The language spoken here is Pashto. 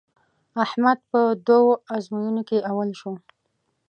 احمد په دوو ازموینو کې اول شو.